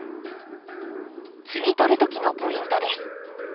摘み取る時のポイントです。